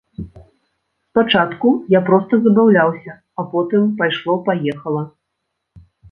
Спачатку я проста забаўляўся, а потым пайшло-паехала.